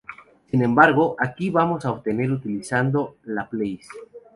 Sin embargo, aquí lo vamos a obtener utilizando Laplace.